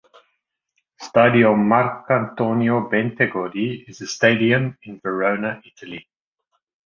Stadio Marcantonio Bentegodi is a stadium in Verona, Italy.